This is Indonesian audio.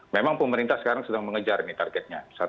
memang pemerintah sekarang sedang mengejar nih targetnya